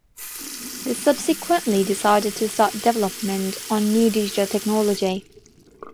They subsequently decided to start development on new digital technology.